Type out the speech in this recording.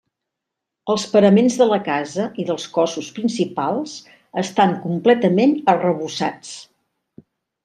Els paraments de la casa i dels cossos principals estan completament arrebossats.